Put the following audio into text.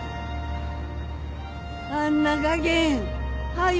あんなかけんはよ